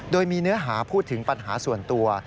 โดยมีเนื้อหาพูดถึงปัญหาส่วนตัว